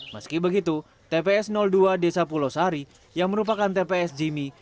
meski begitu tps dua desa pulau sari yang merupakan tps jimmy